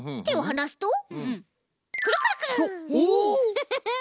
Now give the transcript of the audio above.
フフフッ。